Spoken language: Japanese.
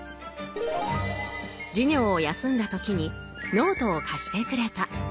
授業を休んだ時にノートを貸してくれた。